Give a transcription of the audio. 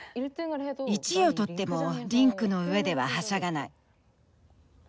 １位を取ってもリンクの上でははしゃがない。